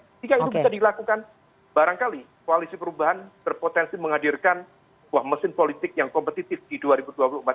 jika itu bisa dilakukan barangkali koalisi perubahan berpotensi menghadirkan mesin politik yang kompetitif di dua ribu dua puluh dua ribu dua puluh tiga